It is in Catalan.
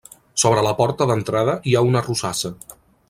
Sobre la porta d'entrada hi ha una rosassa.